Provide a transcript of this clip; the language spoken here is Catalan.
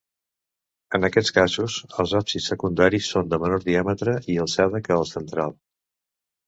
En aquests casos, els absis secundaris són de menor diàmetre i alçada que el central.